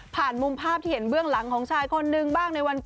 มุมภาพที่เห็นเบื้องหลังของชายคนนึงบ้างในวันเกิด